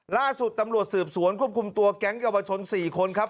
ล่าสุดตำรวจสืบสวนควบคุมตัวแก๊งเยาวชน๔คนครับ